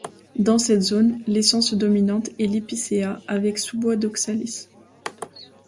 Dans cette zone, l'essence dominante est l'épicéa avec sous-bois d'oxalis.